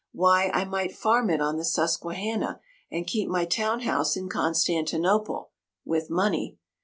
Why, I might farm it on the Susquehanna, and keep my town house in Constantinople, (with money.)